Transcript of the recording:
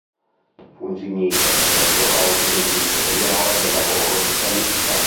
Fu insignito per ben due volte del titolo di Eroe del Lavoro Socialista.